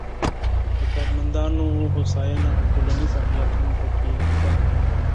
د کارمندانو هوساینه او ټولنیز امنیت هم پکې شامل دي.